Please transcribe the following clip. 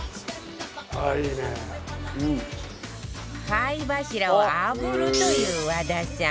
貝柱を炙るという和田さん